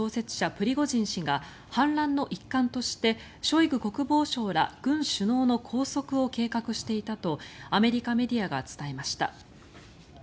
プリゴジン氏が反乱の一環としてショイグ国防相ら軍首脳の拘束を計画していたとアメリカメディアが伝えました。